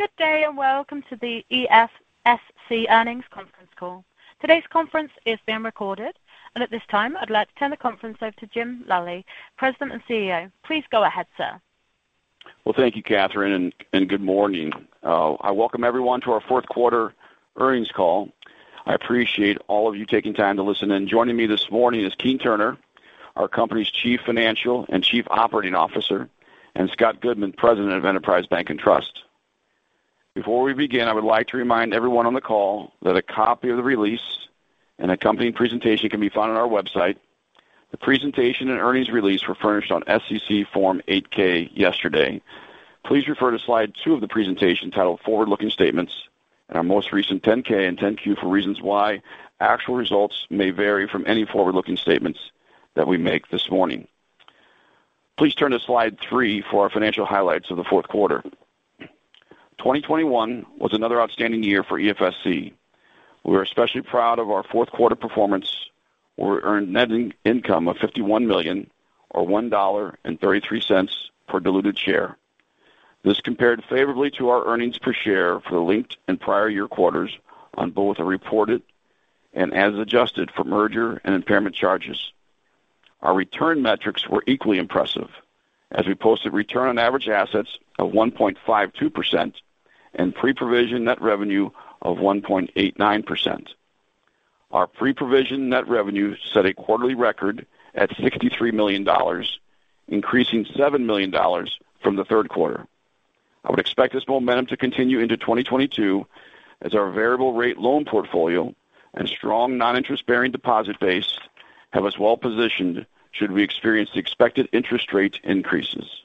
Good day, and welcome to the EFSC earnings conference call. Today's conference is being recorded. At this time, I'd like to turn the conference over to Jim Lally, President and CEO. Please go ahead, sir. Well, thank you, Catherine, and good morning. I welcome everyone to our fourth quarter earnings call. I appreciate all of you taking time to listen in. Joining me this morning is Keene Turner, our company's Chief Financial and Chief Operating Officer, and Scott Goodman, President of Enterprise Bank & Trust. Before we begin, I would like to remind everyone on the call that a copy of the release and accompanying presentation can be found on our website. The presentation and earnings release were furnished on SEC Form 8-K yesterday. Please refer to slide two of the presentation titled Forward-Looking Statements and our most recent 10-K and 10-Q for reasons why actual results may vary from any forward-looking statements that we make this morning. Please turn to slide three for our financial highlights of the fourth quarter. 2021 was another outstanding year for EFSC. We're especially proud of our fourth quarter performance, where we earned net income of $51 million or $1.33 per diluted share. This compared favorably to our earnings per share for the linked and prior year quarters on both the reported and as adjusted for merger and impairment charges. Our return metrics were equally impressive as we posted return on average assets of 1.52% and pre-provision net revenue of 1.89%. Our pre-provision net revenue set a quarterly record at $63 million, increasing $7 million from the third quarter. I would expect this momentum to continue into 2022 as our variable rate loan portfolio and strong non-interest-bearing deposit base have us well-positioned should we experience the expected interest rate increases.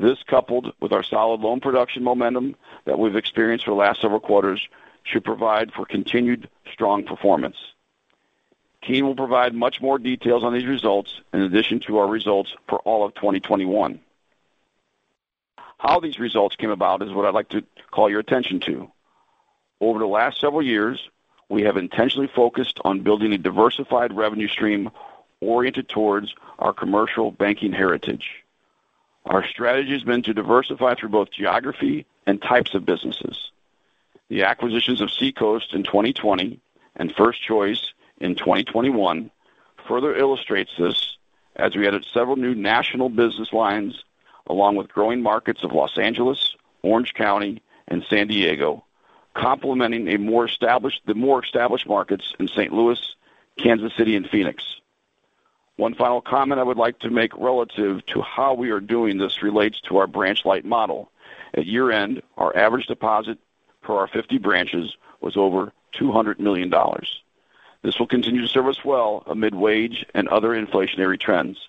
This, coupled with our solid loan production momentum that we've experienced for the last several quarters, should provide for continued strong performance. Keene will provide much more details on these results in addition to our results for all of 2021. How these results came about is what I'd like to call your attention to. Over the last several years, we have intentionally focused on building a diversified revenue stream oriented towards our commercial banking heritage. Our strategy has been to diversify through both geography and types of businesses. The acquisitions of Seacoast in 2020 and First Choice in 2021 further illustrates this as we added several new national business lines along with growing markets of Los Angeles, Orange County and San Diego, complementing the more established markets in St. Louis, Kansas City and Phoenix. One final comment I would like to make relative to how we are doing this relates to our branch-light model. At year-end, our average deposit for our 50 branches was over $200 million. This will continue to serve us well amid wage and other inflationary trends.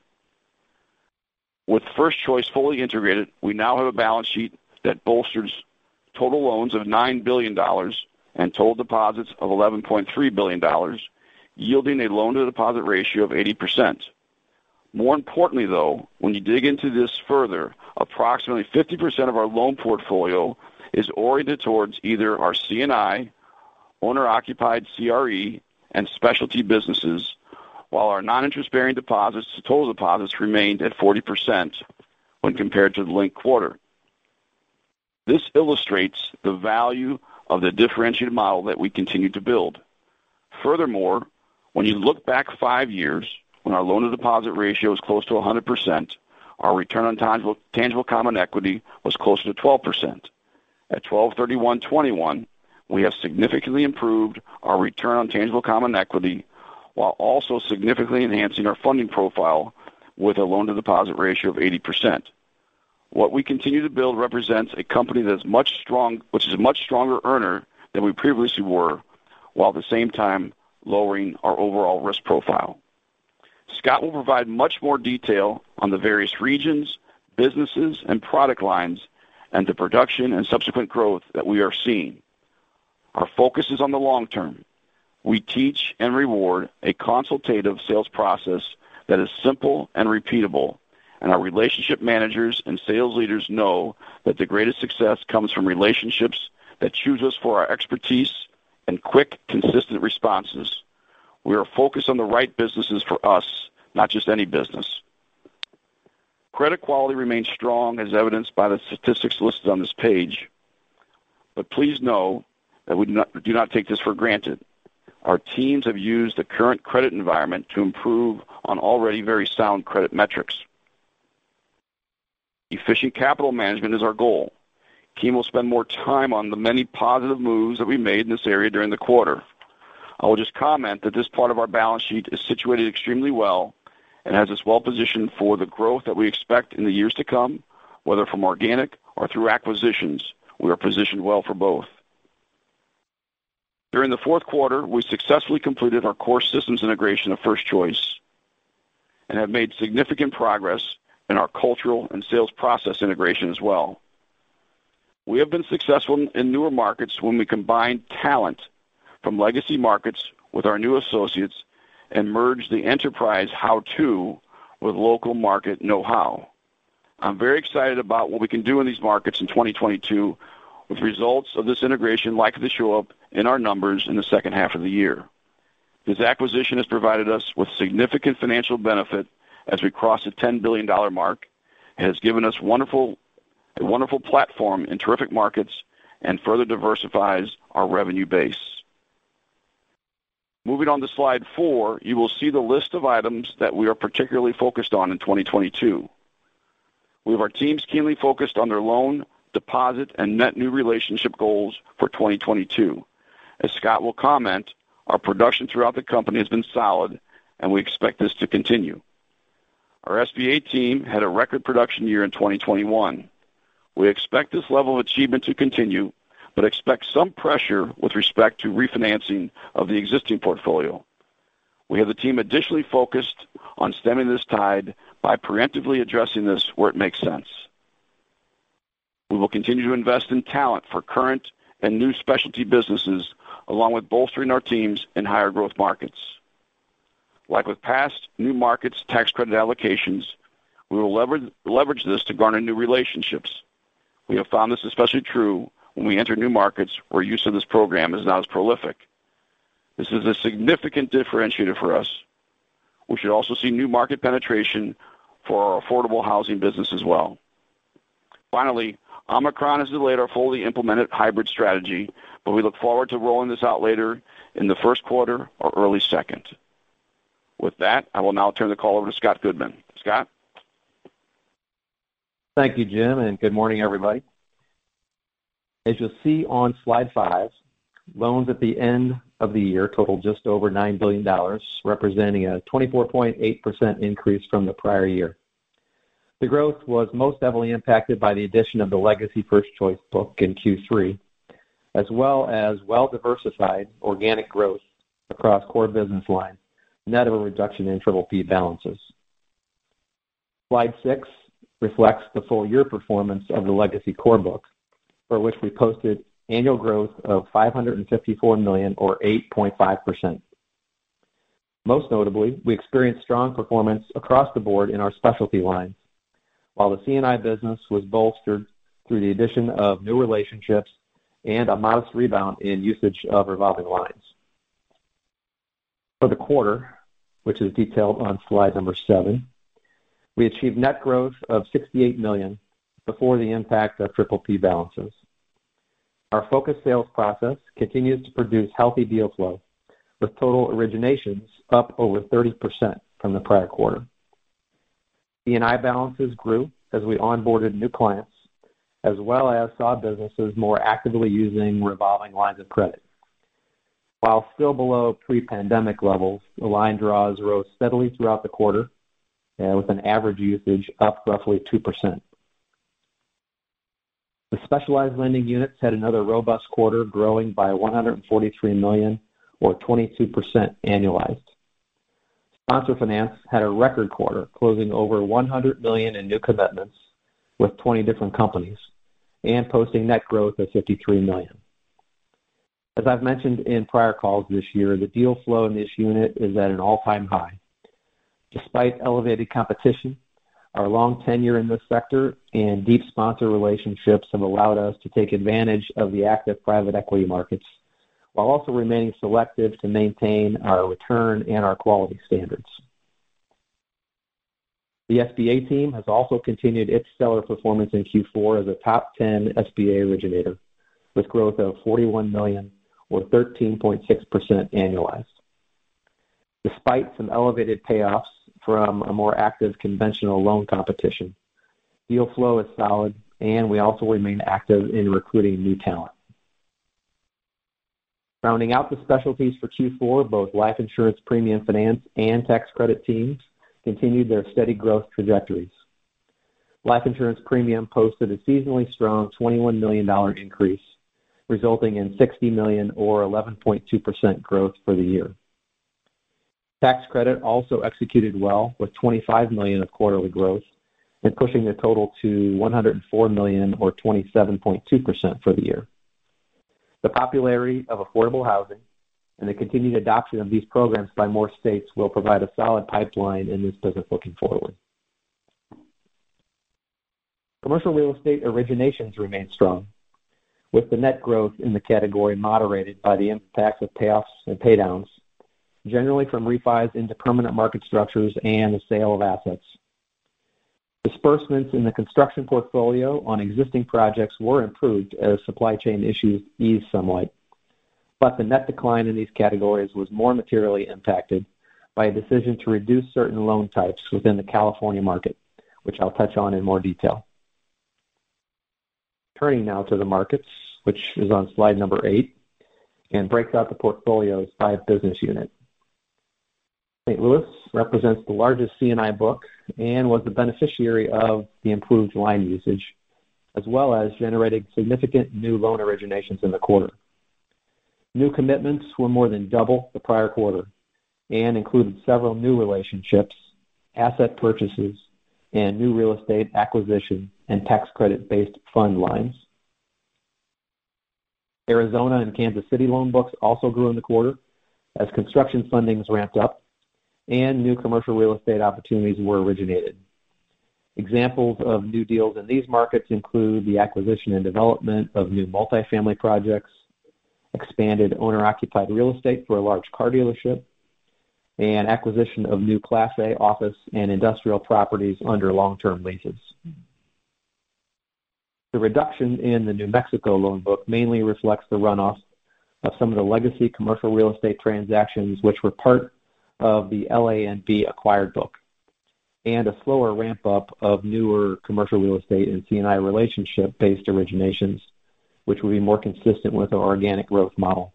With First Choice fully integrated, we now have a balance sheet that bolsters total loans of $9 billion and total deposits of $11.3 billion, yielding a loan-to-deposit ratio of 80%. More importantly, though, when you dig into this further, approximately 50% of our loan portfolio is oriented towards either our C&I, owner-occupied CRE, and specialty businesses, while our non-interest-bearing deposits as total deposits remained at 40% when compared to the linked quarter. This illustrates the value of the differentiated model that we continue to build. Furthermore, when you look back five years when our loan-to-deposit ratio was close to 100%, our return on tangible common equity was closer to 12%. At 12/31/2021, we have significantly improved our return on tangible common equity while also significantly enhancing our funding profile with a loan-to-deposit ratio of 80%. What we continue to build represents a company that's much stronger earner than we previously were, while at the same time lowering our overall risk profile. Scott will provide much more detail on the various regions, businesses and product lines and the production and subsequent growth that we are seeing. Our focus is on the long term. We teach and reward a consultative sales process that is simple and repeatable, and our relationship managers and sales leaders know that the greatest success comes from relationships that choose us for our expertise and quick, consistent responses. We are focused on the right businesses for us, not just any business. Credit quality remains strong as evidenced by the statistics listed on this page. Please know that we do not take this for granted. Our teams have used the current credit environment to improve on already very sound credit metrics. Efficient capital management is our goal. Keene will spend more time on the many positive moves that we made in this area during the quarter. I will just comment that this part of our balance sheet is situated extremely well and has us well positioned for the growth that we expect in the years to come, whether from organic or through acquisitions. We are positioned well for both. During the fourth quarter, we successfully completed our core systems integration of First Choice and have made significant progress in our cultural and sales process integration as well. We have been successful in newer markets when we combine talent from legacy markets with our new associates and merge the enterprise how-to with local market know-how. I'm very excited about what we can do in these markets in 2022, with results of this integration likely to show up in our numbers in the second half of the year. This acquisition has provided us with significant financial benefit as we cross the $10 billion mark, and has given us a wonderful platform in terrific markets and further diversifies our revenue base. Moving on to slide four, you will see the list of items that we are particularly focused on in 2022. We have our teams keenly focused on their loan, deposit and net new relationship goals for 2022. As Scott will comment, our production throughout the company has been solid and we expect this to continue. Our SBA team had a record production year in 2021. We expect this level of achievement to continue, but expect some pressure with respect to refinancing of the existing portfolio. We have the team additionally focused on stemming this tide by preemptively addressing this where it makes sense. We will continue to invest in talent for current and new specialty businesses, along with bolstering our teams in higher growth markets. Like with past New Markets Tax Credit allocations, we will leverage this to garner new relationships. We have found this especially true when we enter new markets where use of this program is not as prolific. This is a significant differentiator for us. We should also see new market penetration for our affordable housing business as well. Finally, Omicron has delayed our fully implemented hybrid strategy, but we look forward to rolling this out later in the first quarter or early second. With that, I will now turn the call over to Scott Goodman. Scott? Thank you, Jim, and good morning, everybody. As you'll see on slide five, loans at the end of the year totaled just over $9 billion, representing a 24.8% increase from the prior year. The growth was most heavily impacted by the addition of the legacy First Choice book in Q3, as well as well-diversified organic growth across core business lines, net of a reduction in PPP balances. Slide 6 reflects the full year performance of the legacy core book, for which we posted annual growth of $554 million or 8.5%. Most notably, we experienced strong performance across the board in our specialty lines, while the C&I business was bolstered through the addition of new relationships and a modest rebound in usage of revolving lines. For the quarter, which is detailed on slide seven, we achieved net growth of $68 million before the impact of PPP balances. Our focused sales process continues to produce healthy deal flow, with total originations up over 30% from the prior quarter. C&I balances grew as we onboarded new clients, as well as saw businesses more actively using revolving lines of credit. While still below pre-pandemic levels, the line draws rose steadily throughout the quarter, with an average usage up roughly 2%. The specialized lending units had another robust quarter, growing by $143 million or 22% annualized. Sponsor finance had a record quarter, closing over $100 million in new commitments with 20 different companies and posting net growth of $53 million. As I've mentioned in prior calls this year, the deal flow in this unit is at an all-time high. Despite elevated competition, our long tenure in this sector and deep sponsor relationships have allowed us to take advantage of the active private equity markets while also remaining selective to maintain our return and our quality standards. The SBA team has also continued its stellar performance in Q4 as a top 10 SBA originator, with growth of $41 million or 13.6% annualized. Despite some elevated payoffs from a more active conventional loan competition, deal flow is solid, and we also remain active in recruiting new talent. Rounding out the specialties for Q4, both life insurance premium finance and tax credit teams continued their steady growth trajectories. Life insurance premium posted a seasonally strong $21 million increase, resulting in $60 million or 11.2% growth for the year. Tax credit also executed well with $25 million of quarterly growth and pushing the total to $104 million or 27.2% for the year. The popularity of affordable housing and the continued adoption of these programs by more states will provide a solid pipeline in this business looking forward. Commercial real estate originations remained strong, with the net growth in the category moderated by the impact of payoffs and pay downs, generally from refis into permanent market structures and the sale of assets. Disbursement in the construction portfolio on existing projects were improved as supply chain issues eased somewhat. The net decline in these categories was more materially impacted by a decision to reduce certain loan types within the California market, which I'll touch on in more detail. Turning now to the markets, which is on slide number eight, and breaks out the portfolios by business unit. St. Louis represents the largest C&I book and was the beneficiary of the improved line usage, as well as generating significant new loan originations in the quarter. New commitments were more than double the prior quarter and included several new relationships, asset purchases, and new real estate acquisition and tax credit-based fund lines. Arizona and Kansas City loan books also grew in the quarter as construction fundings ramped up and new commercial real estate opportunities were originated. Examples of new deals in these markets include the acquisition and development of new multifamily projects, expanded owner-occupied real estate for a large car dealership, and acquisition of new Class A office and industrial properties under long-term leases. The reduction in the New Mexico loan book mainly reflects the runoff of some of the legacy commercial real estate transactions which were part of the LANB acquired book, and a slower ramp-up of newer commercial real estate and C&I relationship-based originations, which will be more consistent with our organic growth model.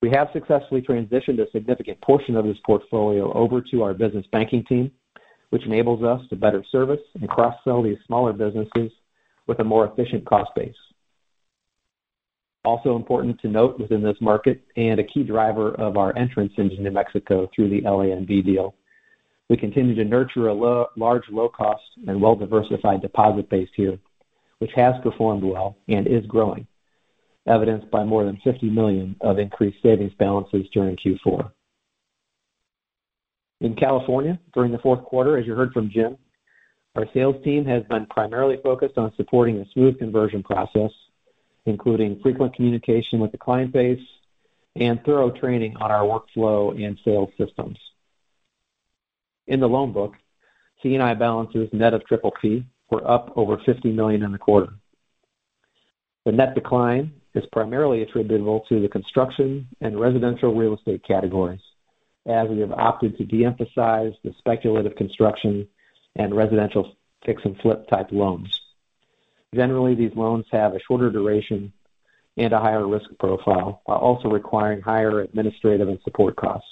We have successfully transitioned a significant portion of this portfolio over to our business banking team, which enables us to better service and cross-sell these smaller businesses with a more efficient cost base. Also important to note within this market and a key driver of our entrance into New Mexico through the LANB deal, we continue to nurture a large low-cost and well-diversified deposit base here, which has performed well and is growing, evidenced by more than $50 million of increased savings balances during Q4. In California, during the fourth quarter, as you heard from Jim, our sales team has been primarily focused on supporting a smooth conversion process, including frequent communication with the client base and thorough training on our workflow and sales systems. In the loan book, C&I balances net of triple T were up over $50 million in the quarter. The net decline is primarily attributable to the construction and residential real estate categories, as we have opted to de-emphasize the speculative construction and residential fix and flip type loans. Generally, these loans have a shorter duration and a higher risk profile, while also requiring higher administrative and support costs.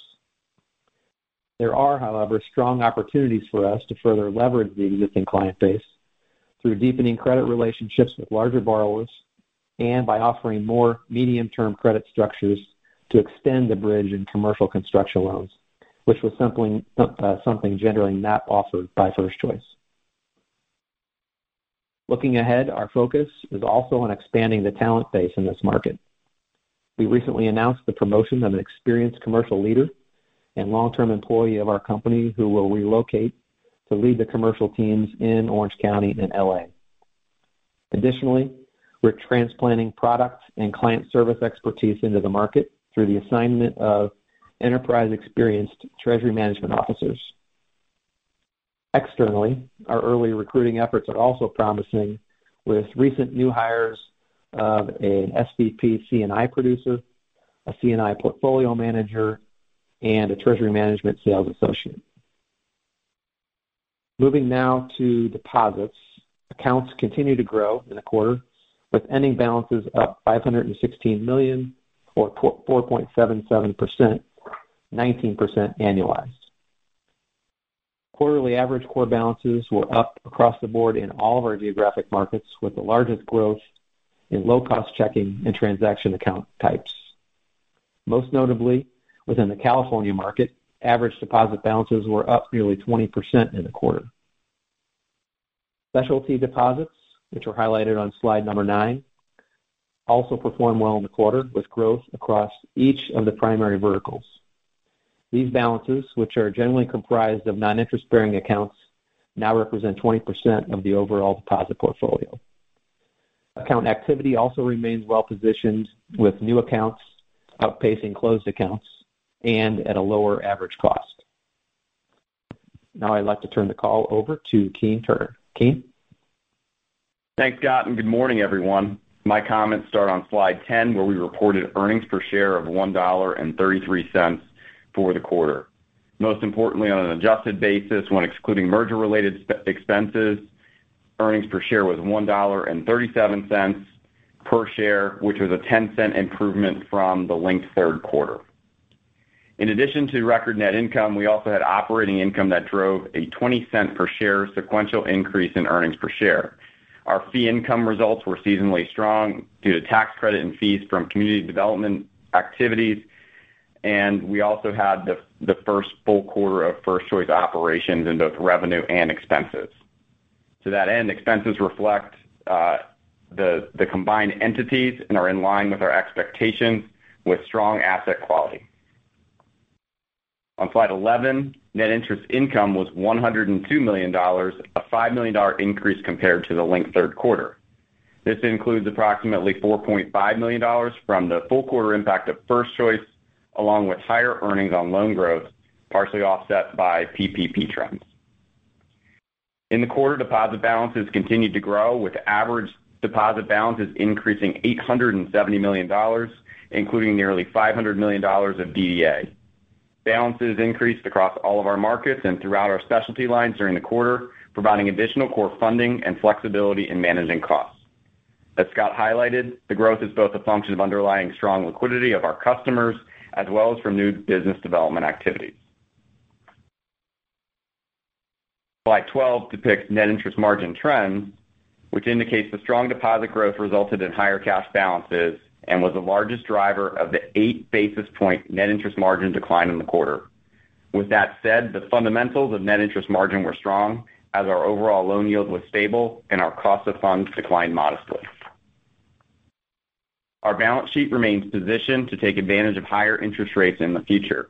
There are, however, strong opportunities for us to further leverage the existing client base through deepening credit relationships with larger borrowers and by offering more medium-term credit structures to extend the bridge in commercial construction loans, which was something generally not offered by First Choice. Looking ahead, our focus is also on expanding the talent base in this market. We recently announced the promotion of an experienced commercial leader and long-term employee of our company who will relocate to lead the commercial teams in Orange County and L.A. Additionally, we're transplanting product and client service expertise into the market through the assignment of enterprise-experienced treasury management officers. Externally, our early recruiting efforts are also promising with recent new hires of a SVP C&I producer, a C&I portfolio manager, and a treasury management sales associate. Moving now to deposits. Accounts continued to grow in the quarter, with ending balances up $516 million or 4.77%, 19% annualized. Quarterly average core balances were up across the board in all of our geographic markets, with the largest growth in low-cost checking and transaction account types. Most notably, within the California market, average deposit balances were up nearly 20% in the quarter. Specialty deposits, which are highlighted on slide nine, also performed well in the quarter, with growth across each of the primary verticals. These balances, which are generally comprised of non-interest-bearing accounts, now represent 20% of the overall deposit portfolio. Account activity also remains well positioned, with new accounts outpacing closed accounts and at a lower average cost. Now I'd like to turn the call over to Keene Turner. Keene? Thanks, Scott, and good morning, everyone. My comments start on slide 10, where we reported earnings per share of $1.33 for the quarter. Most importantly, on an adjusted basis, when excluding merger-related expenses, earnings per share was $1.37 per share, which was a $0.10 improvement from the linked third quarter. In addition to record net income, we also had operating income that drove a $0.20 per share sequential increase in earnings per share. Our fee income results were seasonally strong due to tax credit and fees from community development activities, and we also had the first full quarter of First Choice operations in both revenue and expenses. To that end, expenses reflect the combined entities and are in line with our expectations with strong asset quality. On slide 11, net interest income was $102 million, a $5 million increase compared to the linked third quarter. This includes approximately $4.5 million from the full quarter impact of First Choice, along with higher earnings on loan growth, partially offset by PPP trends. In the quarter, deposit balances continued to grow with average deposit balances increasing $870 million, including nearly $500 million of DDA. Balances increased across all of our markets and throughout our specialty lines during the quarter, providing additional core funding and flexibility in managing costs. As Scott highlighted, the growth is both a function of underlying strong liquidity of our customers as well as from new business development activities. Slide 12 depicts net interest margin trends, which indicates the strong deposit growth resulted in higher cash balances and was the largest driver of the 8 basis point net interest margin decline in the quarter. With that said, the fundamentals of net interest margin were strong as our overall loan yield was stable and our cost of funds declined modestly. Our balance sheet remains positioned to take advantage of higher interest rates in the future.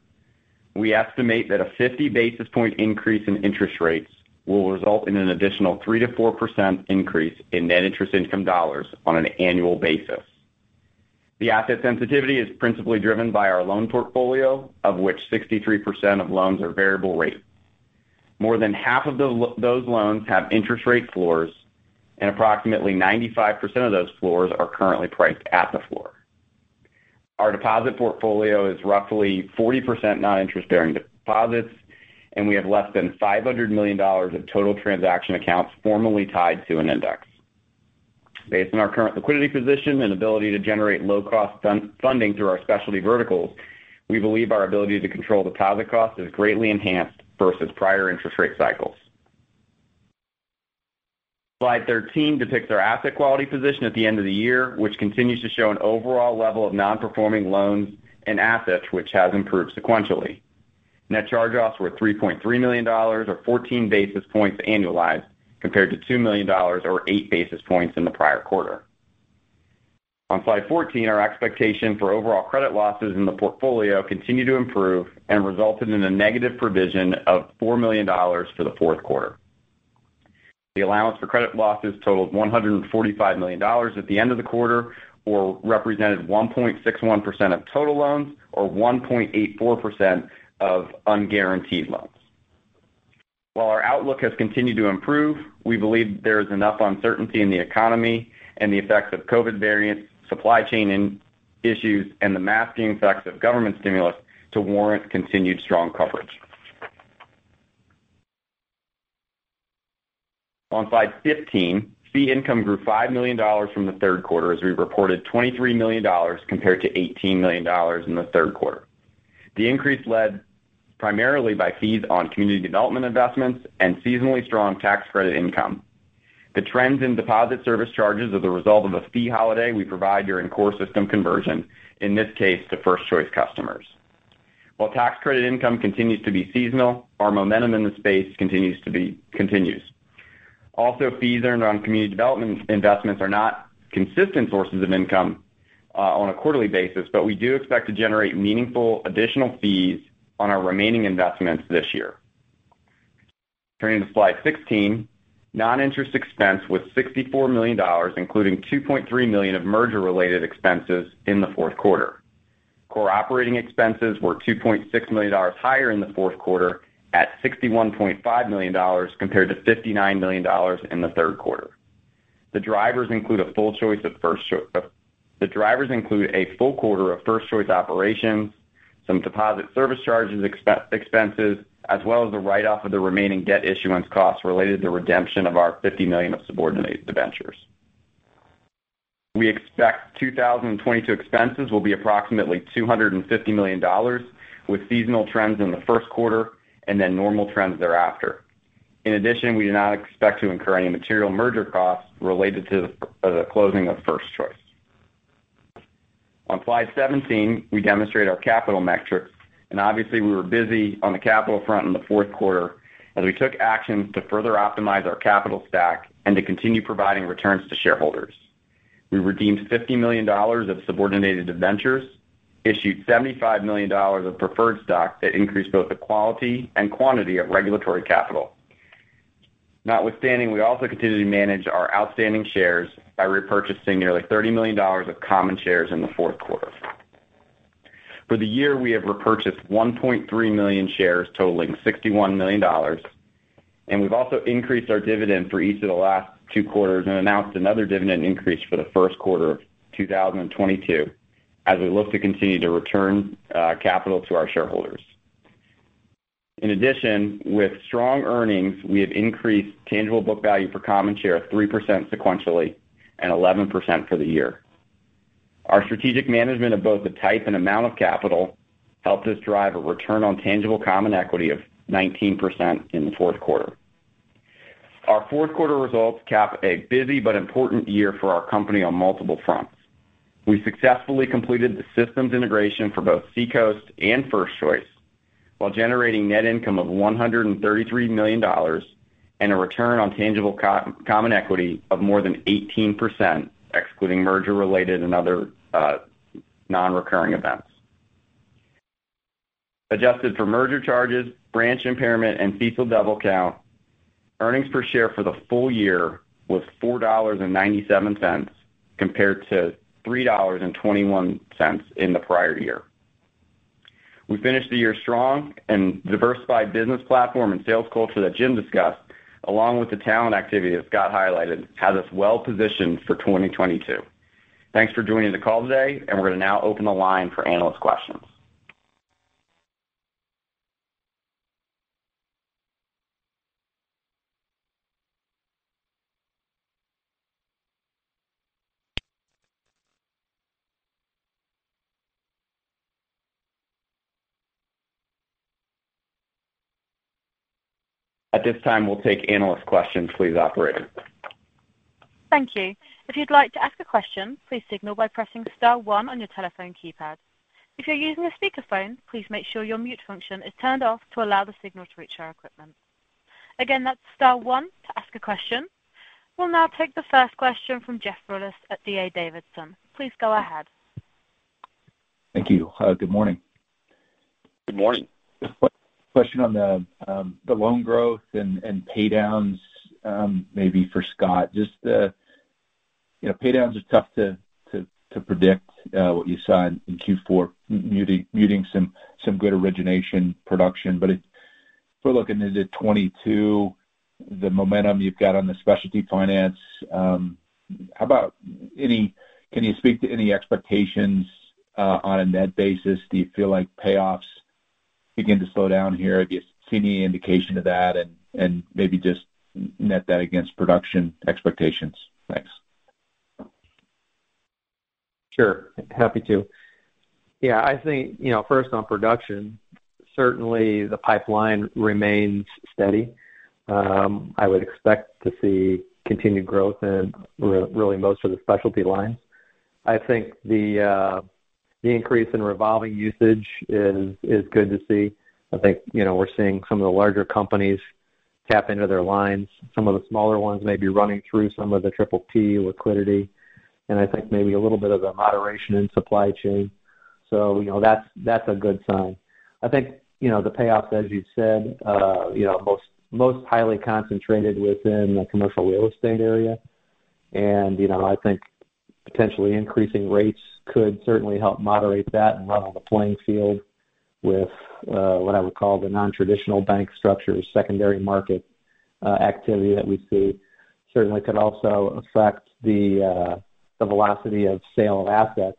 We estimate that a 50 basis point increase in interest rates will result in an additional 3%-4% increase in net interest income dollars on an annual basis. The asset sensitivity is principally driven by our loan portfolio, of which 63% of loans are variable rate. More than half of those loans have interest rate floors, and approximately 95% of those floors are currently priced at the floor. Our deposit portfolio is roughly 40% non-interest-bearing deposits, and we have less than $500 million of total transaction accounts formally tied to an index. Based on our current liquidity position and ability to generate low-cost fun-funding through our specialty verticals, we believe our ability to control deposit cost is greatly enhanced versus prior interest rate cycles. Slide 13 depicts our asset quality position at the end of the year, which continues to show an overall level of non-performing loans and assets which has improved sequentially. Net charge-offs were $3.3 million or 14 basis points annualized compared to $2 million or 8 basis points in the prior quarter. On slide 14, our expectation for overall credit losses in the portfolio continued to improve and resulted in a negative provision of $4 million for the fourth quarter. The allowance for credit losses totaled $145 million at the end of the quarter or represented 1.61% of total loans or 1.84% of unguaranteed loans. While our outlook has continued to improve, we believe there is enough uncertainty in the economy and the effects of COVID variants, supply chain issues, and the masking effects of government stimulus to warrant continued strong coverage. On slide 15, fee income grew $5 million from the third quarter as we reported $23 million compared to $18 million in the third quarter. The increase led primarily by fees on community development investments and seasonally strong tax credit income. The trends in deposit service charges are the result of a fee holiday we provide during core system conversion, in this case, to First Choice customers. While tax credit income continues to be seasonal, our momentum in the space continues. Also, fees earned on community development investments are not consistent sources of income on a quarterly basis, but we do expect to generate meaningful additional fees on our remaining investments this year. Turning to slide 16, non-interest expense was $64 million, including $2.3 million of merger-related expenses in the fourth quarter. Core operating expenses were $2.6 million higher in the fourth quarter at $61.5 million compared to $59 million in the third quarter. The drivers include a full quarter of First Choice operations, some deposit service charges expenses, as well as the write-off of the remaining debt issuance costs related to redemption of our $50 million of subordinated debentures. We expect 2022 expenses will be approximately $250 million with seasonal trends in the first quarter and then normal trends thereafter. In addition, we do not expect to incur any material merger costs related to the closing of First Choice. On slide 17, we demonstrate our capital metrics, and obviously, we were busy on the capital front in the fourth quarter as we took actions to further optimize our capital stack and to continue providing returns to shareholders. We redeemed $50 million of subordinated debentures, issued $75 million of preferred stock that increased both the quality and quantity of regulatory capital. Notwithstanding, we also continue to manage our outstanding shares by repurchasing nearly $30 million of common shares in the fourth quarter. For the year, we have repurchased 1.3 million shares totaling $61 million, and we've also increased our dividend for each of the last two quarters and announced another dividend increase for the first quarter of 2022 as we look to continue to return capital to our shareholders. In addition, with strong earnings, we have increased tangible book value for common share of 3% sequentially and 11% for the year. Our strategic management of both the type and amount of capital helped us drive a return on tangible common equity of 19% in the fourth quarter. Our fourth quarter results cap a busy but important year for our company on multiple fronts. We successfully completed the systems integration for both Seacoast and First Choice while generating net income of $133 million and a return on tangible common equity of more than 18%, excluding merger-related and other non-recurring events. Adjusted for merger charges, branch impairment, and fees we'll double count, earnings per share for the full year was $4.97 compared to $3.21 in the prior year. We finished the year strong with a diversified business platform and sales culture that Jim discussed, along with the talent activity that Scott highlighted, has us well positioned for 2022. Thanks for joining the call today, and we're gonna now open the line for analyst questions. At this time, we'll take analyst questions please, operator. Thank you. If you'd like to ask a question, please signal by pressing star one on your telephone keypad. If you're using a speakerphone, please make sure your mute function is turned off to allow the signal to reach our equipment. Again, that's star one to ask a question. We'll now take the first question from Jeff Rulis at D.A. Davidson. Please go ahead. Thank you. Good morning. Good morning. Question on the loan growth and pay downs, maybe for Scott. Just, you know, pay downs are tough to predict, what you saw in Q4 muting some good origination production. But if we're looking into 2022, the momentum you've got on the specialty finance, how about, can you speak to any expectations on a net basis? Do you feel like payoffs begin to slow down here? Do you see any indication of that? Maybe just net that against production expectations. Thanks. Sure. Happy to. Yeah, I think, you know, first on production, certainly the pipeline remains steady. I would expect to see continued growth in really most of the specialty lines. I think the the increase in revolving usage is good to see. I think, you know, we're seeing some of the larger companies tap into their lines. Some of the smaller ones may be running through some of the PPP liquidity, and I think maybe a little bit of a moderation in supply chain. You know, that's a good sign. I think, you know, the payoffs, as you said, you know, most highly concentrated within the commercial real estate area. You know, I think potentially increasing rates could certainly help moderate that and level the playing field with what I would call the nontraditional bank structure, secondary market activity that we see. Certainly could also affect the velocity of sale of assets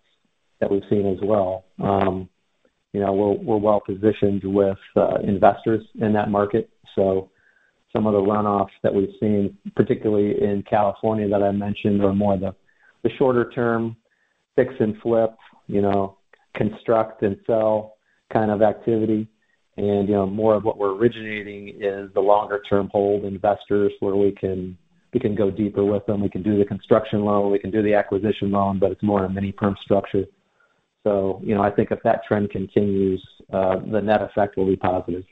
that we've seen as well. You know, we're well positioned with investors in that market. So some of the runoffs that we've seen, particularly in California that I mentioned, are more the shorter term fix and flip, you know, construct and sell kind of activity. You know, more of what we're originating is the longer term hold investors where we can go deeper with them. We can do the construction loan, we can do the acquisition loan, but it's more of a mini perm structure. You know, I think if that trend continues, the net effect will be positive.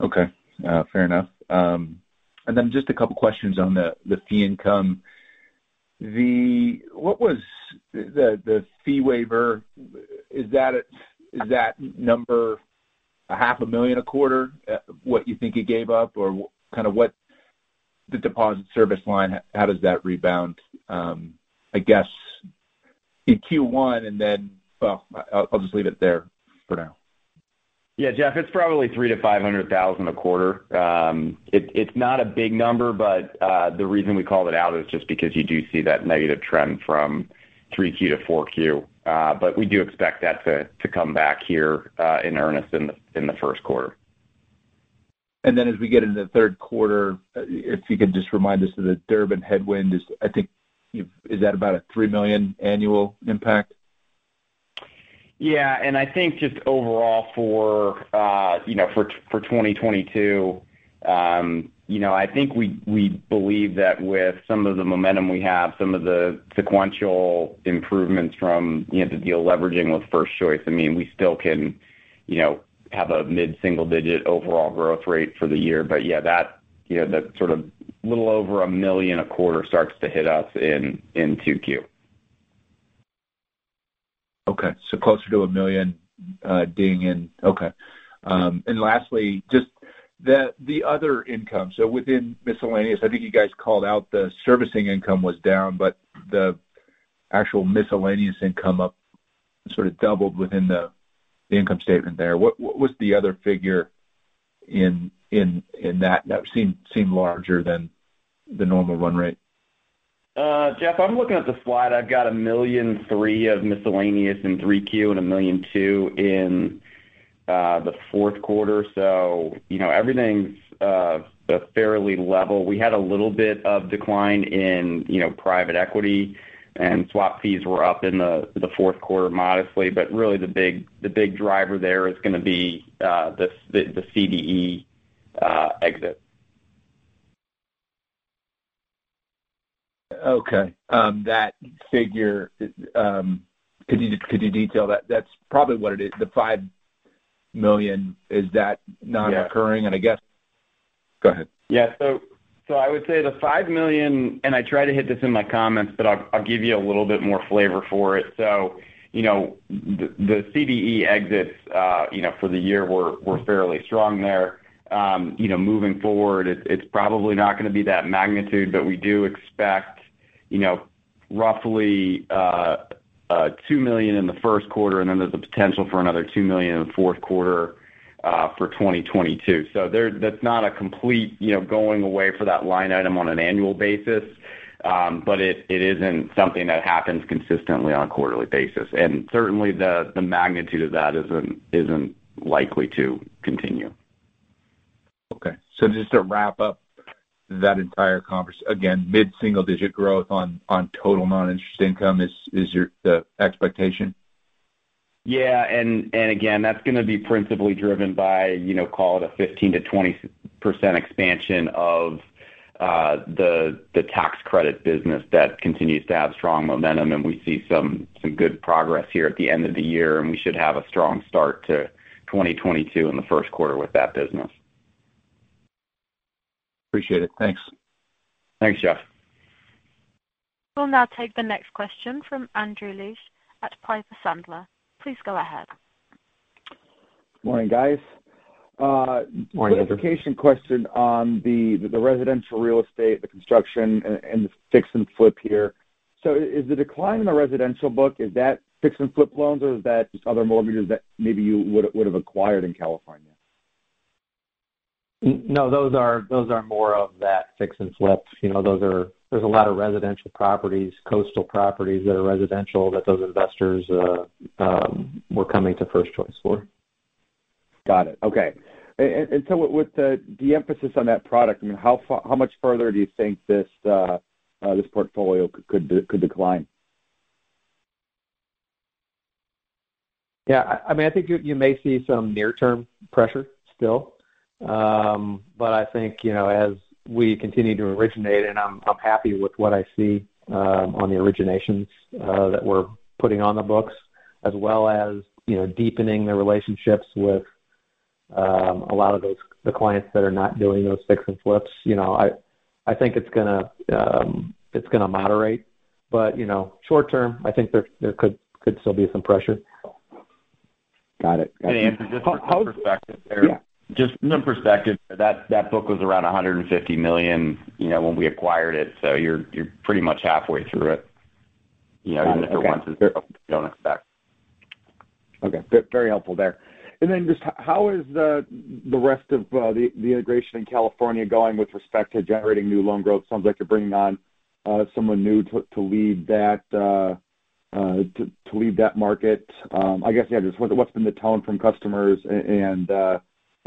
Okay. Fair enough. Then just a couple questions on the fee income. What was the fee waiver? Is that number half million a quarter, what you think you gave up? Or what kind of the deposit service line, how does that rebound, I guess in Q1 and then. Well, I'll just leave it there for now. Yeah, Jeff, it's probably $300,000-$500,000 a quarter. It's not a big number, but the reason we called it out is just because you do see that negative trend from 3Q to 4Q. We do expect that to come back here in earnest in the first quarter. As we get into the third quarter, if you could just remind us of the Durbin headwind, I think, is that about a $3 million annual impact? Yeah. I think just overall for 2022, you know, I think we believe that with some of the momentum we have, some of the sequential improvements from, you know, the deal leveraging with First Choice, I mean, we still can, you know, have a mid-single-digit% overall growth rate for the year. Yeah, that, you know, that sort of little over $1 million a quarter starts to hit us in 2Q. Okay. Closer to $1 million ding in. Okay. Lastly, just the other income. Within miscellaneous, I think you guys called out the servicing income was down, but the actual miscellaneous income up sort of doubled within the income statement there. What was the other figure in that? That seemed larger than the normal run rate. Jeff, I'm looking at the slide. I've got $1.3 million of miscellaneous in 3Q and $1.2 million in the fourth quarter. You know, everything's fairly level. We had a little bit of decline in, you know, private equity, and swap fees were up in the fourth quarter modestly. Really the big driver there is gonna be the CDE exit. Okay. That figure, could you detail that? That's probably what it is, the $5 million, is that- Yeah. not occurring? I guess. Go ahead. Yeah. I would say the $5 million, and I tried to hit this in my comments, but I'll give you a little bit more flavor for it. You know, the CDE exits, you know, for the year were fairly strong there. You know, moving forward, it's probably not gonna be that magnitude, but we do expect, you know, roughly $2 million in the first quarter, and then there's the potential for another $2 million in the fourth quarter, for 2022. That's not a complete, you know, going away for that line item on an annual basis. But it isn't something that happens consistently on a quarterly basis. And certainly the magnitude of that isn't likely to continue. Okay. Just to wrap up that entire conversation— again, mid-single digit growth on total non-interest income is your, the expectation? Yeah. Again, that's gonna be principally driven by, you know, call it a 15%-20% expansion of the tax credit business that continues to have strong momentum. We see some good progress here at the end of the year, and we should have a strong start to 2022 in the first quarter with that business. Appreciate it. Thanks. Thanks, Jeff. We'll now take the next question from Andrew Liesch at Piper Sandler. Please go ahead. Morning, guys. Morning, Andrew. Clarification question on the residential real estate, the construction and the fix-and-flip here. So is the decline in the residential book fix-and-flip loans or just other mortgages that maybe you would have acquired in California? No, those are more of that fix and flip. You know, those are. There's a lot of residential properties, coastal properties that are residential, that those investors were coming to First Choice for. Got it. Okay. With the emphasis on that product, I mean, how much further do you think this portfolio could decline? Yeah, I mean, I think you may see some near-term pressure still. But I think, you know, as we continue to originate and I'm happy with what I see on the originations that we're putting on the books as well as, you know, deepening the relationships with a lot of those, the clients that are not doing those fix and flips. You know, I think it's gonna moderate. You know, short-term, I think there could still be some pressure. Got it. Can I answer just from perspective there? Yeah. Just some perspective. That book was around $150 million, you know, when we acquired it. You're pretty much halfway through it. You know, even if for once you don't expect. Okay. Very helpful there. Just how is the rest of the integration in California going with respect to generating new loan growth? Sounds like you're bringing on someone new to lead that market. I guess, yeah, just what's been the tone from customers and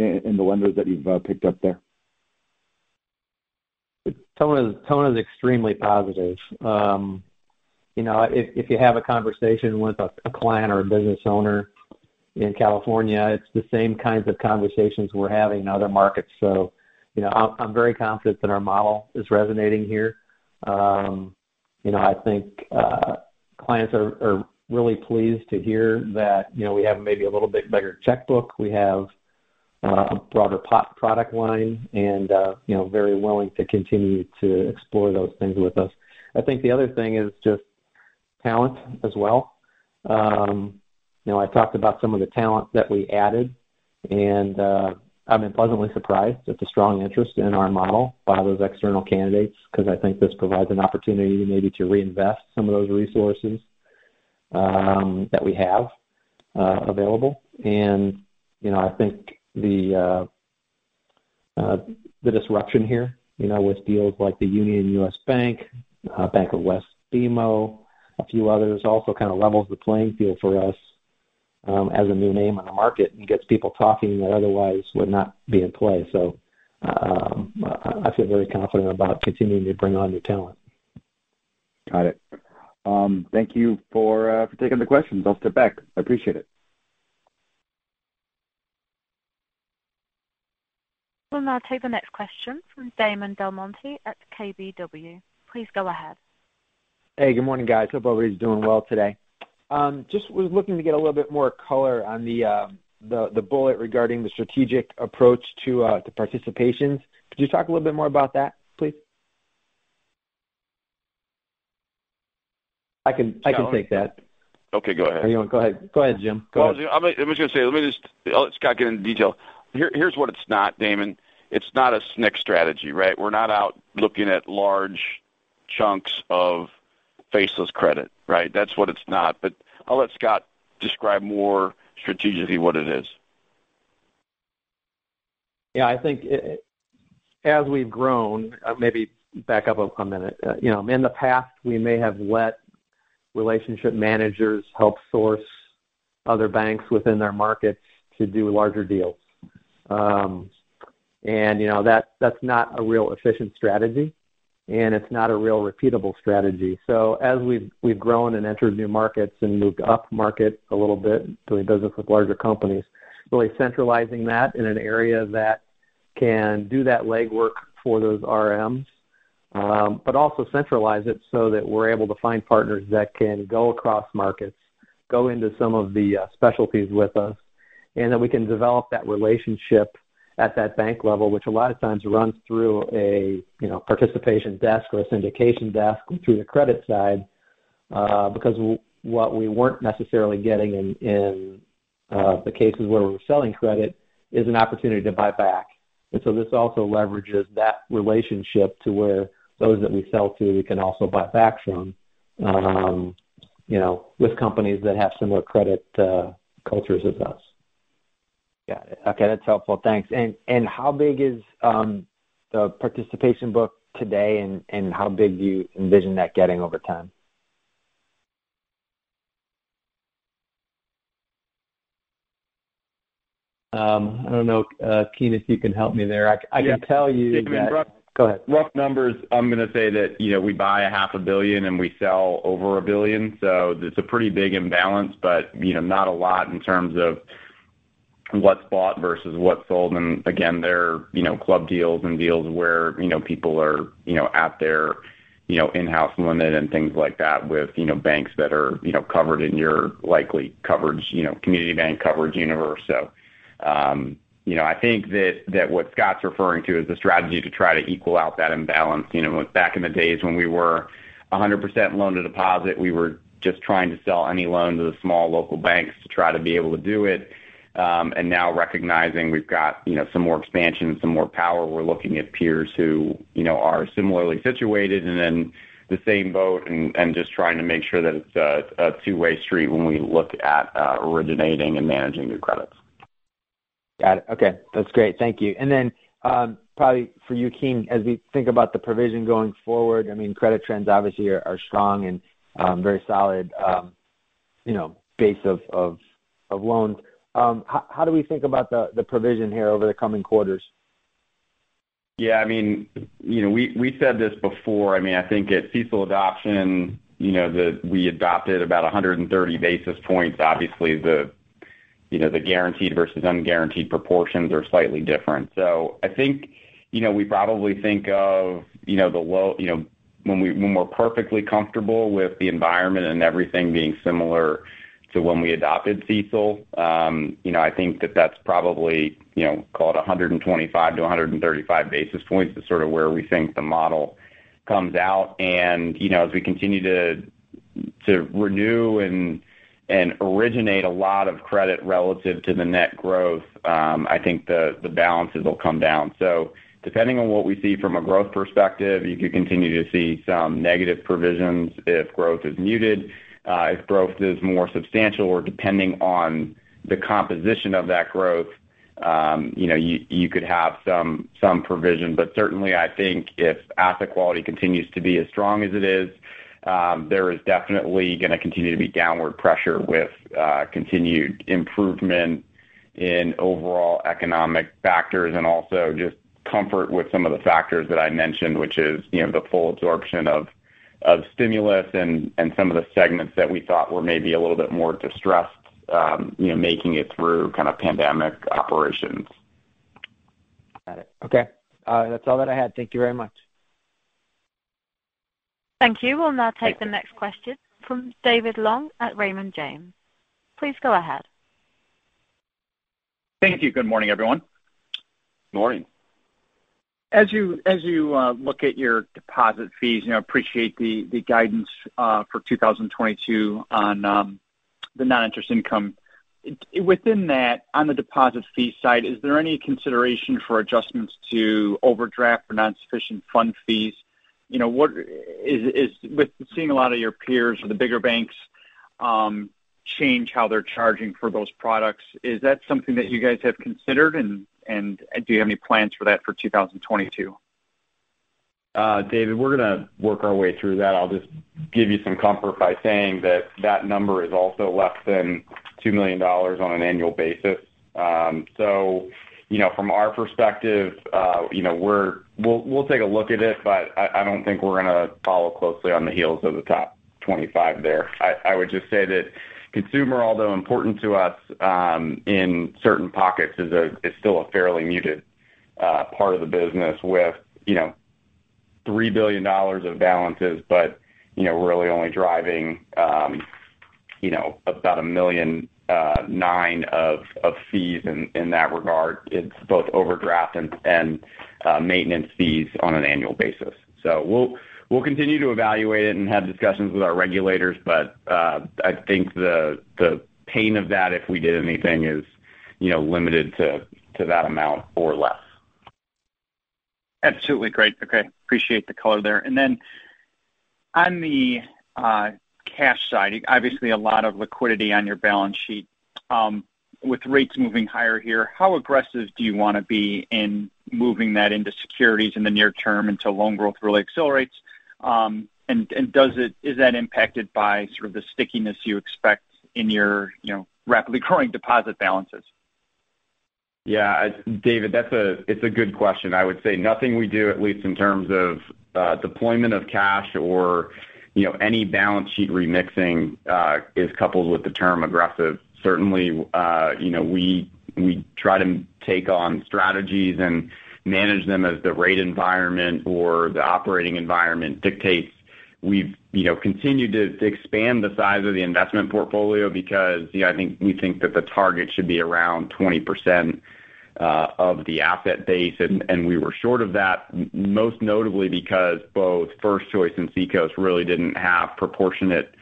the lenders that you've picked up there? The tone is extremely positive. You know, if you have a conversation with a client or a business owner in California, it's the same kinds of conversations we're having in other markets. You know, I'm very confident that our model is resonating here. You know, I think clients are really pleased to hear that, you know, we have maybe a little bit bigger checkbook. We have a broader product line and, you know, very willing to continue to explore those things with us. I think the other thing is just talent as well. You know, I talked about some of the talent that we added, and I've been pleasantly surprised at the strong interest in our model by those external candidates because I think this provides an opportunity maybe to reinvest some of those resources that we have available. You know, I think the disruption here, you know, with deals like the MUFG Union Bank U.S. Bancorp, Bank of the West BMO, a few others also kind of levels the playing field for us, as a new name on the market and gets people talking that otherwise would not be in play. I feel very confident about continuing to bring on new talent. Got it. Thank you for taking the questions. I'll step back. I appreciate it. We'll now take the next question from Damon DelMonte at KBW. Please go ahead. Hey, good morning, guys. Hope everybody's doing well today. I just was looking to get a little bit more color on the bullet regarding the strategic approach to participations. Could you talk a little bit more about that, please? I can take that. Okay, go ahead. Go ahead, Jim. Well, I was gonna say. I'll let Scott get into detail. Here, here's what it's not, Damon. It's not a SNC strategy, right? We're not out looking at large chunks of faceless credit, right? That's what it's not. I'll let Scott describe more strategically what it is. Yeah. I think as we've grown, maybe back up a minute. You know, in the past, we may have let relationship managers help source other banks within their markets to do larger deals. You know that that's not a real efficient strategy, and it's not a real repeatable strategy. As we've grown and entered new markets and moved upmarket a little bit, doing business with larger companies, really centralizing that in an area that can do that legwork for those RMs. Also centralize it so that we're able to find partners that can go across markets, go into some of the specialties with us, and that we can develop that relationship at that bank level, which a lot of times runs through a you know participation desk or a syndication desk through the credit side. Because what we weren't necessarily getting in the cases where we're selling credit is an opportunity to buy back. This also leverages that relationship to where those that we sell to, we can also buy back from, you know, with companies that have similar credit cultures as us. Got it. Okay, that's helpful. Thanks. How big is the participation book today and how big do you envision that getting over time? I don't know. Keene, if you can help me there. I can tell you that. Rough- Go ahead. Rough numbers. I'm gonna say that, you know, we buy $0.5 billion and we sell over $1 billion. It's a pretty big imbalance, but, you know, not a lot in terms of what's bought versus what's sold. Again, they're, you know, club deals and deals where, you know, people are, you know, at their, you know, in-house limit and things like that with, you know, banks that are, you know, covered in your likely coverage, you know, community bank coverage universe. You know, I think that what Scott's referring to is the strategy to try to equal out that imbalance. You know, back in the days when we were 100% loan to deposit, we were just trying to sell any loans to the small local banks to try to be able to do it. Now recognizing we've got, you know, some more expansion, some more power, we're looking at peers who, you know, are similarly situated and in the same boat and just trying to make sure that it's a two-way street when we look at originating and managing new credits. Got it. Okay, that's great. Thank you. Probably for you, Keene, as we think about the provision going forward, I mean, credit trends obviously are strong and very solid, you know, base of loans. How do we think about the provision here over the coming quarters? Yeah, I mean, you know, we said this before. I mean, I think at CECL adoption, you know, we adopted about 130 basis points. Obviously, you know, the guaranteed versus unguaranteed proportions are slightly different. I think, you know, we probably think of, you know, the low. You know, when we're perfectly comfortable with the environment and everything being similar to when we adopted CECL, you know, I think that's probably, you know, call it 125 basis points to 135 basis points is sort of where we think the model comes out. You know, as we continue to renew and originate a lot of credit relative to the net growth, I think the balances will come down. Depending on what we see from a growth perspective, you could continue to see some negative provisions if growth is muted. If growth is more substantial or depending on the composition of that growth, you know, you could have some provision. Certainly I think if asset quality continues to be as strong as it is, there is definitely gonna continue to be downward pressure with continued improvement in overall economic factors and also just comfort with some of the factors that I mentioned, which is, you know, the full absorption of stimulus and some of the segments that we thought were maybe a little bit more distressed, you know, making it through kind of pandemic operations. Got it. Okay. That's all that I had. Thank you very much. Thank you. We'll now take the next question from David Long at Raymond James. Please go ahead. Thank you. Good morning, everyone. Morning. As you look at your deposit fees, you know, appreciate the guidance for 2022 on the non-interest income. Within that, on the deposit fee side, is there any consideration for adjustments to overdraft for non-sufficient fund fees? You know, with seeing a lot of your peers or the bigger banks change how they're charging for those products, is that something that you guys have considered and do you have any plans for that for 2022? David, we're gonna work our way through that. I'll just give you some comfort by saying that that number is also less than $2 million on an annual basis. You know, from our perspective, we're going to take a look at it, but I don't think we're gonna follow closely on the heels of the top 25 there. I would just say that consumer, although important to us, in certain pockets, is still a fairly muted part of the business with $3 billion of balances, but you know, we're really only driving about $1.9 million of fees in that regard. It's both overdraft and maintenance fees on an annual basis. We'll continue to evaluate it and have discussions with our regulators, but I think the pain of that, if we did anything, is, you know, limited to that amount or less. Absolutely. Great. Okay. Appreciate the color there. Then on the cash side, obviously a lot of liquidity on your balance sheet. With rates moving higher here, how aggressive do you wanna be in moving that into securities in the near term until loan growth really accelerates? Is that impacted by sort of the stickiness you expect in your, you know, rapidly growing deposit balances? Yeah. David, that's a good question. I would say nothing we do, at least in terms of deployment of cash or, you know, any balance sheet remixing, is coupled with the term aggressive. Certainly, you know, we try to take on strategies and manage them as the rate environment or the operating environment dictates. We've, you know, continued to expand the size of the investment portfolio because, you know, I think we think that the target should be around 20% of the asset base. We were short of that, most notably because both First Choice and Seacoast really didn't have proportionate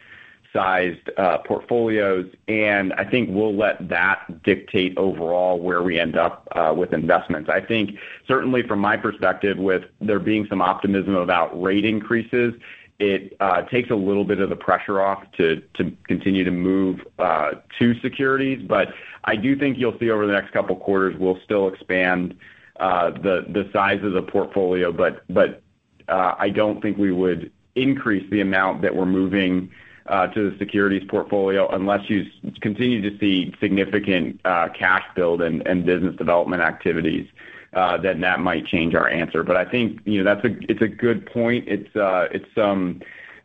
sized portfolios. I think we'll let that dictate overall where we end up with investments. I think certainly from my perspective, with there being some optimism about rate increases, it takes a little bit of the pressure off to continue to move to securities. I do think you'll see over the next couple quarters, we'll still expand the size of the portfolio. I don't think we would increase the amount that we're moving to the securities portfolio unless you continue to see significant cash build and business development activities, then that might change our answer. I think, you know, that's a good point. It's some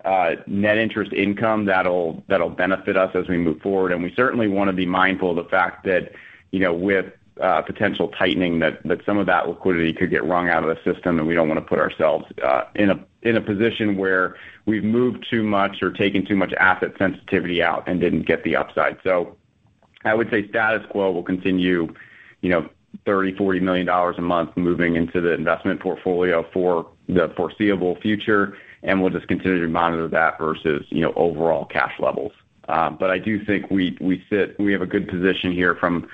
net interest income that'll benefit us as we move forward. We certainly wanna be mindful of the fact that, you know, with potential tightening that some of that liquidity could get wrung out of the system and we don't wanna put ourselves in a position where we've moved too much or taken too much asset sensitivity out and didn't get the upside. I would say status quo will continue, you know, $30 million-$40 million a month moving into the investment portfolio for the foreseeable future, and we'll just continue to monitor that versus, you know, overall cash levels. I do think we have a good position here from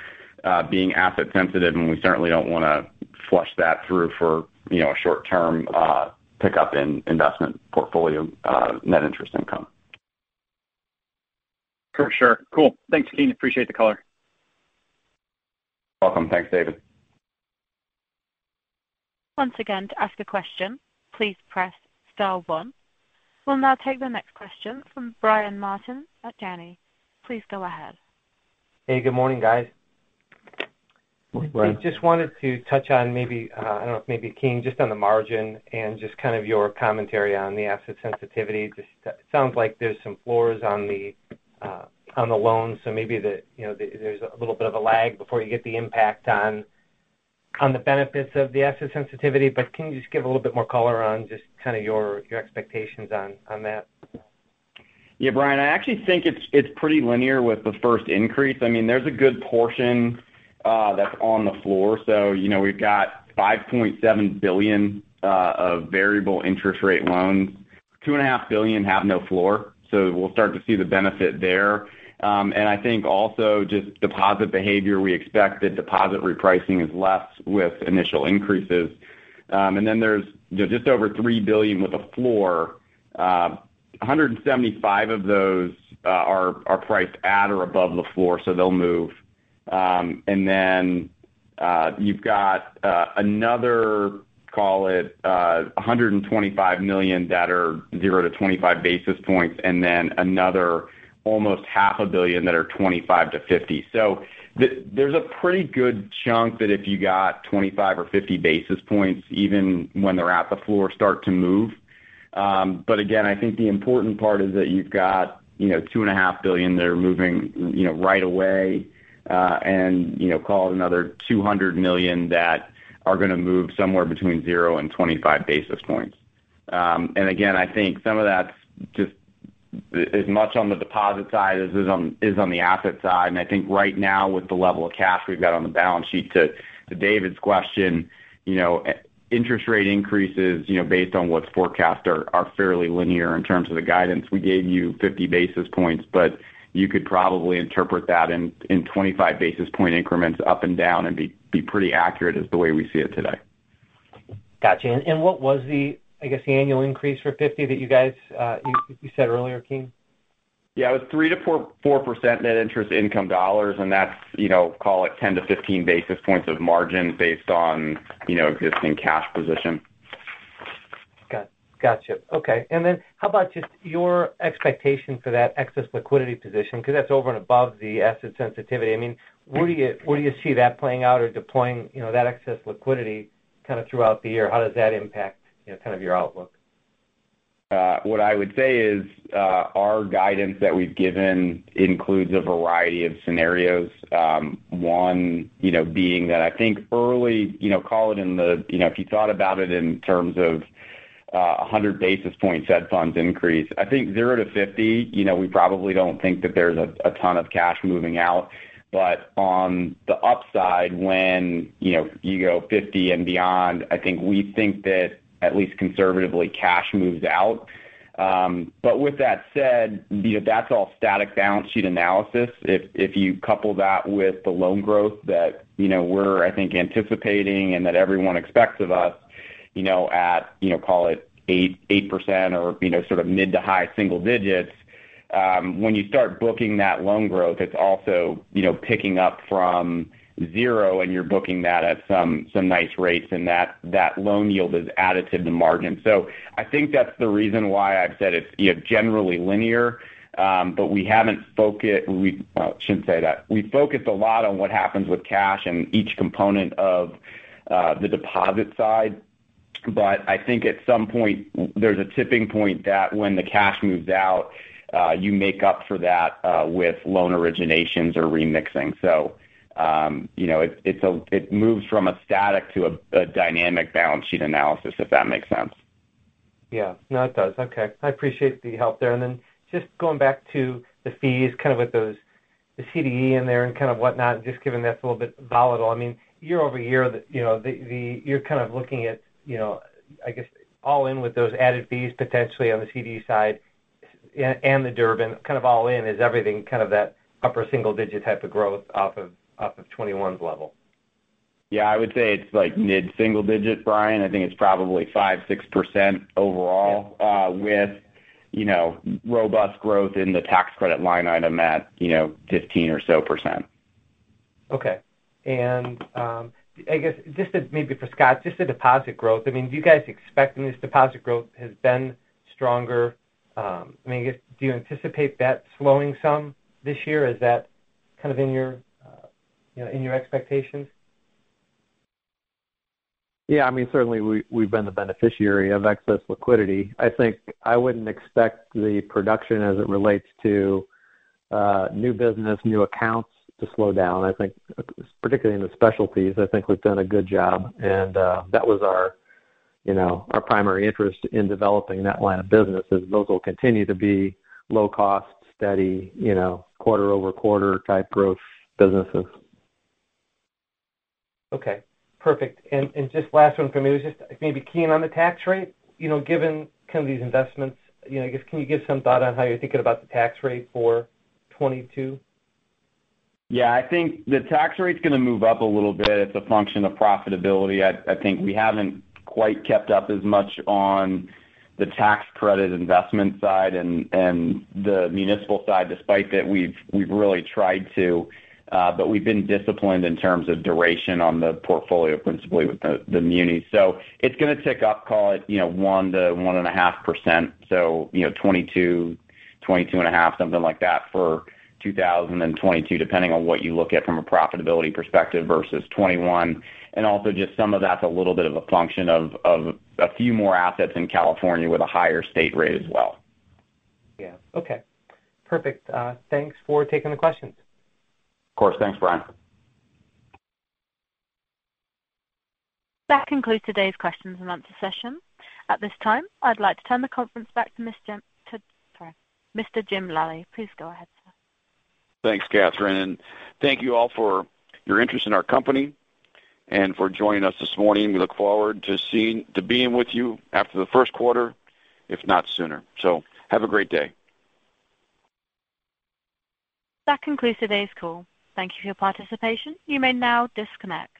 being asset sensitive, and we certainly don't wanna flush that through for, you know, a short term pickup in investment portfolio net interest income. For sure. Cool. Thanks, Keen. Appreciate the color. Welcome. Thanks, David. We'll now take the next question from Brian Martin at Janney. Please go ahead. Hey, good morning, guys. Good morning. I just wanted to touch on maybe I don't know if maybe Keene just on the margin and just kind of your commentary on the asset sensitivity. Just sounds like there's some floors on the loans, so maybe you know there's a little bit of a lag before you get the impact on the benefits of the asset sensitivity. But can you just give a little bit more color on just kind of your expectations on that? Yeah, Brian, I actually think it's pretty linear with the first increase. I mean, there's a good portion that's on the floor. You know, we've got $5.7 billion of variable interest rate loans. $2.5 billion have no floor, so we'll start to see the benefit there. I think also just deposit behavior we expect that deposit repricing is less with initial increases. There's just over $3 billion with a floor. $175 million of those are priced at or above the floor, so they'll move. You've got another, call it, $125 million that are 0 basis points-25 basis points, and then another almost $500 million that are 25 basis points-50 basis points. There's a pretty good chunk that if you got 25 basis points or 50 basis points, even when they're at the floor, start to move. But again, I think the important part is that you've got, you know, $2.5 billion that are moving, you know, right away, and, you know, call it another $200 million that are gonna move somewhere between 0 basis points and 25 basis points. And again, I think some of that's just as much on the deposit side as is on the asset side. I think right now with the level of cash we've got on the balance sheet, to David's question, you know, interest rate increases, you know, based on what's forecast are fairly linear in terms of the guidance. We gave you 50 basis points, but you could probably interpret that in 25 basis point increments up and down and be pretty accurate is the way we see it today. Gotcha. What was the, I guess, the annual increase for 50 basis points that you guys you said earlier, Keene? Yeah, it was 3%-4.4% net interest income dollars. That's, you know, call it 10 basis points-15 basis points of margin based on, you know, existing cash position. Gotcha. Okay. How about just your expectation for that excess liquidity position? Because that's over and above the asset sensitivity. I mean, where do you see that playing out or deploying, you know, that excess liquidity kind of throughout the year? How does that impact, you know, kind of your outlook? What I would say is, our guidance that we've given includes a variety of scenarios. One, you know, being that I think early, you know, call it, you know, if you thought about it in terms of, a 100 basis points Fed funds increase. I think 0 basis points-50 basis points, you know, we probably don't think that there's a ton of cash moving out. On the upside when, you know, you go 50 basis points and beyond, I think we think that at least conservatively, cash moves out. With that said, you know, that's all static balance sheet analysis. If you couple that with the loan growth that we're anticipating and that everyone expects of us, you know, at, you know, call it 8% or, you know, sort of mid- to high-single digits, when you start booking that loan growth, it's also, you know, picking up from zero and you're booking that at some nice rates and that loan yield is added to the margin. So I think that's the reason why I've said it's, you know, generally linear. But I shouldn't say that. We focused a lot on what happens with cash and each component of the deposit side. But I think at some point there's a tipping point that when the cash moves out, you make up for that with loan originations or remixing. You know, it moves from a static to a dynamic balance sheet analysis, if that makes sense. Yeah. No, it does. Okay. I appreciate the help there. Just going back to the fees, kind of with those, the CDE in there and kind of whatnot, just given that's a little bit volatile. I mean, year-over-year, you know, you're kind of looking at, you know, I guess all in with those added fees potentially on the CD side and the Durbin kind of all in, is everything kind of that upper single digit type of growth off of 2021's level? Yeah, I would say it's like mid-single digit, Brian. I think it's probably 5%-6% overall, with, you know, robust growth in the tax credit line item at, you know, 15% or so. Okay. I guess just maybe for Scott, just the deposit growth. I mean, do you guys expect this deposit growth has been stronger? I mean, I guess, do you anticipate that slowing some this year? Is that kind of in your, you know, in your expectations? Yeah. I mean, certainly we've been the beneficiary of excess liquidity. I think I wouldn't expect the production as it relates to new business, new accounts to slow down. I think particularly in the specialties, I think we've done a good job. That was our, you know, primary interest in developing that line of business is those will continue to be low cost, steady, you know, quarter-over-quarter type growth businesses. Okay. Perfect. Just last one for me was just maybe Keene on the tax rate. You know, given kind of these investments, you know, I guess can you give some thought on how you're thinking about the tax rate for 2022? Yeah. I think the tax rate's gonna move up a little bit. It's a function of profitability. I think we haven't quite kept up as much on the tax credit investment side and the municipal side despite that we've really tried to. We've been disciplined in terms of duration on the portfolio principally with the muni. It's gonna tick up, call it, you know, 1%-1.5%. You know, 22.5%, something like that for 2022, depending on what you look at from a profitability perspective versus 2021. Also just some of that's a little bit of a function of a few more assets in California with a higher state rate as well. Yeah. Okay. Perfect. Thanks for taking the questions. Of course. Thanks, Brian. That concludes today's questions and answer session. At this time, I'd like to turn the conference back to Mr. Jim Lally. Please go ahead, sir. Thanks, Catherine. Thank you all for your interest in our company and for joining us this morning. We look forward to being with you after the first quarter, if not sooner. Have a great day. That concludes today's call. Thank you for your participation. You may now disconnect.